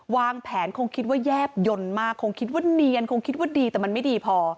วางแผนคงคิดว่าแยบยนต์มากคงคิดว่าเนียนคงคิดว่าดีแต่มันไม่ดีพอ